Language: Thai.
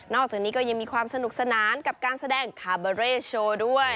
อกจากนี้ก็ยังมีความสนุกสนานกับการแสดงคาเบอร์เร่โชว์ด้วย